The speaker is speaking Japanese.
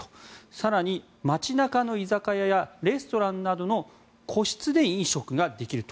更に、街中の居酒屋やレストランなどの個室で飲食ができると。